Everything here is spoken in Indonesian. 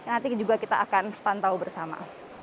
nanti juga kita akan pantau bersama